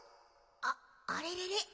ああれれれ？